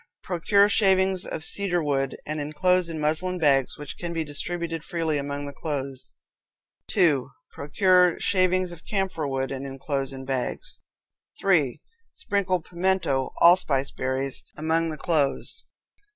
Procure shavings of cedar wood, and inclose in muslin bags, which can be distributed freely among the clothes. 2. Procure shavings of camphor wood, and inclose in bags. 3. Sprinkle pimento (allspice) berries among the clothes.